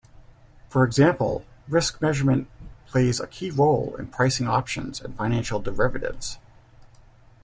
For example, risk measurement plays a key role in pricing options and financial derivatives.